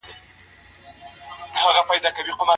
ښه کتاب تر ښه ملګري هم غوره دی.